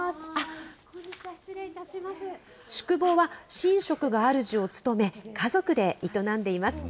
宿坊は、神職が主を務め、家族で営んでいます。